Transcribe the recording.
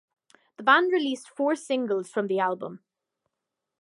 The band released four singles from the album.